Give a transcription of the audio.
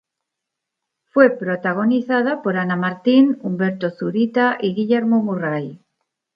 Fue protagonizada por Ana Martín, Humberto Zurita y Guillermo Murray.